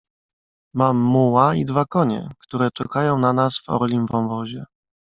"Mam muła i dwa konie, które czekają na nas w Orlim Wąwozie."